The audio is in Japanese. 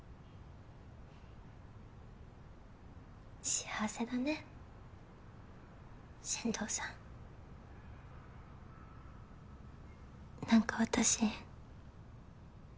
幸せだね千堂さん。何か私。